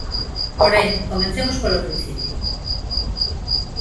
Porén, comecemos polo principio.